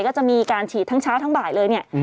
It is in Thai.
ก็จะมีการฉีดทั้งเช้าทั้งบ่ายเลยเนี่ย